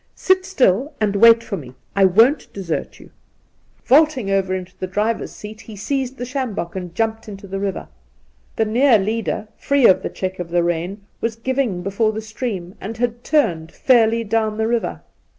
*' Sit stiU, and wait for me. I won't desert you!' Induna Nairn 115 Vaulting over into the driver's seat, he seized the sjambok and jumped into the river. The near leader, free of the check of the rein, was giving before the stream, and had turned fairly down the river.